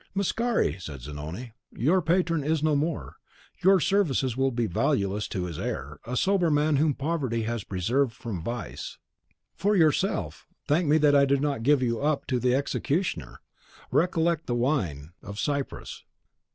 "Mascari," said Zanoni, "your patron is no more; your services will be valueless to his heir, a sober man whom poverty has preserved from vice. For yourself, thank me that I do not give you up to the executioner; recollect the wine of Cyprus.